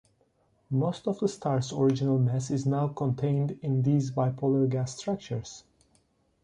Most of the star's original mass is now contained in these bipolar gas structures.